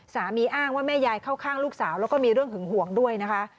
อ้างว่าแม่ยายเข้าข้างลูกสาวแล้วก็มีเรื่องหึงห่วงด้วยนะคะ